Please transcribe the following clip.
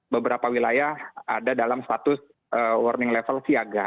beberapa wilayah ada dalam status warning level siaga